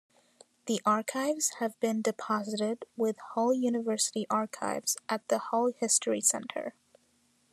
The archives have been deposited with Hull University Archives at the Hull History Centre.